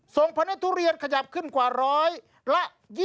ส่งผลไม้ทุเรียนขยับขึ้นกว่า๑๒๐